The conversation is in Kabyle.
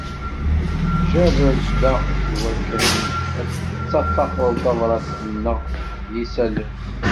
Jerred da iwakken ad d-tettaṭṭafeḍ tabrat-nneq n yisallen.